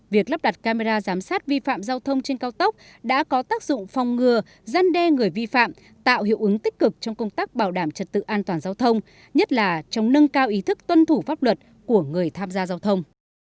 việc lắp đặt camera giám sát vi phạm giao thông trên cao tốc đã có tác dụng phòng ngừa gian đe người vi phạm tạo hiệu ứng tích cực trong công tác bảo đảm trật tự an toàn giao thông nhất là trong nâng cao ý thức tuân thủ pháp luật của người tham gia giao thông